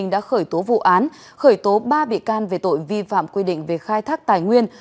đã khởi tố vụ án khởi tố ba bị can về tội vi phạm quy định về khai thác tài nguyên